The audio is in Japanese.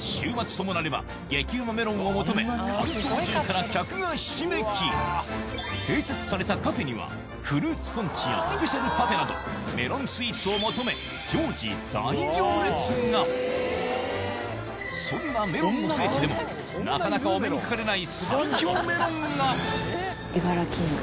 週末ともなれば激うまメロンを求め併設されたカフェにはフルーツポンチやスペシャルパフェなどメロンスイーツを求めそんなメロンの聖地でもなかなかお目にかかれない最強メロンがイバラキング。